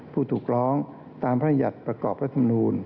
พูดถูกร้องตามพระวัยัตรริ์ประกอบรัฐมนุม